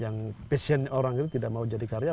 yang passion orang itu tidak mau jadi karya